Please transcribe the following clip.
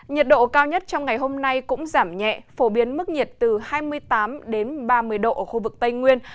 nhiệt độ cao nhất trong ngày hôm nay cũng giảm nhẹ phổ biến mức nhiệt từ hai mươi tám ba mươi độ ở khu vực tây nguyên